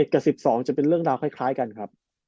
กับ๑๒จะเป็นเรื่องราวคล้ายกันครับ